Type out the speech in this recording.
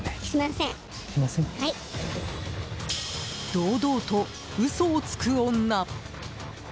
堂々と嘘をつく女。